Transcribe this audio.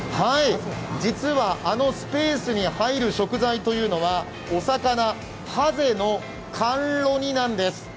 実はあのスペースに入る食材というのはお魚・はぜの甘露煮なんです。